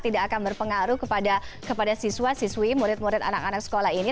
tidak akan berpengaruh kepada siswa siswi murid murid anak anak sekolah ini